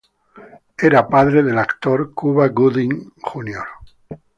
Era padre del actor Cuba Gooding Junior.